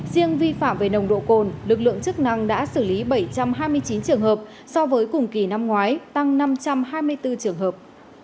riêng vi phạm về nồng độ cồn lực lượng chức năng đã xử lý bảy trăm hai mươi chín trường hợp so với cùng kỳ năm ngoái tăng năm trăm hai mươi bốn trường hợp